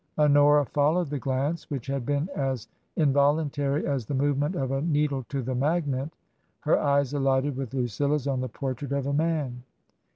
Honora followed the glance, which had been as invol untary as the movement of a needle to the magnet. Her eyes alighted with Lucilla's on the portrait of a man.